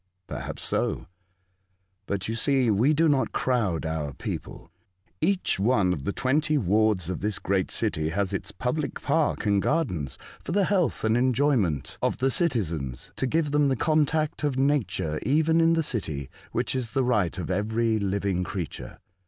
'' Perhaps so ; but you see we do not crowd our people. Each one of the twenty wards of this great city has its public park and gardens for the health and enjoyment of the citizens, to give them the contact of Nature even in the city, which is the right of every living creature.